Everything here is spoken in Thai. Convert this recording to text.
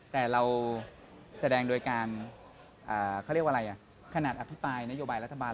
แต่เราแสดงโดยการขนาดอภิปรายนโยบายรัฐบาล